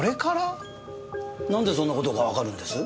なんでそんな事がわかるんです？